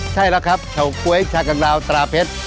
ใช่แล้วครับเฉาก๊วยชากังราวตราเพชร